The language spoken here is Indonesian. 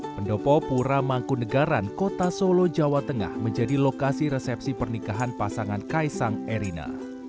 pendopo pura mangkunegaran kota solo jawa tengah menjadi lokasi resepsi pernikahan pasangan kaisang erina